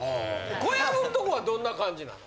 小籔んとこはどんな感じなの？